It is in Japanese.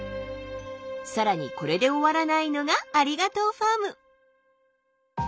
更にこれで終わらないのがありがとうファーム。